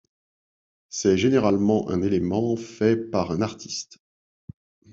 C'est généralement un élément fait par un artiste.